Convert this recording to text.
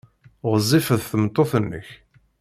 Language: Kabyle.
Ɣezzifet tmeṭṭut-nnek?